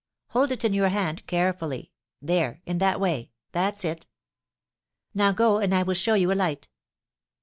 Hold it in your hand, carefully, there, in that way; that's it. Now go, and I will show you a light."